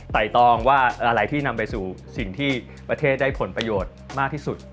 ตองว่าอะไรที่นำไปสู่สิ่งที่ประเทศได้ผลประโยชน์มากที่สุด